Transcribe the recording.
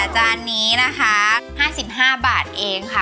จานนี้นะคะ๕๕บาทเองค่ะ